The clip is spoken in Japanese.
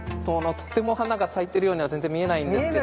とても花が咲いてるようには全然見えないんですけど。